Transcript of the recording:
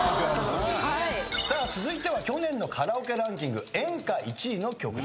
さあ続いては去年のカラオケランキング演歌１位の曲です。